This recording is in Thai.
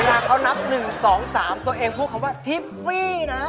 เวลาเขานับ๑๒๓ตัวเองพูดคำว่าทิฟฟี่นะ